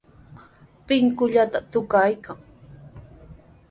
Pinkulluta tukaykan.